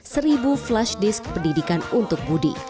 seribu flashdisk pendidikan untuk budi